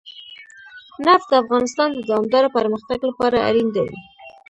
نفت د افغانستان د دوامداره پرمختګ لپاره اړین دي.